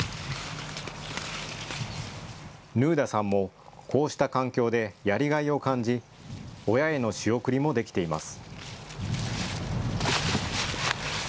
ヌーダさんもこうした環境でやりがいを感じ、親への仕送りもできています。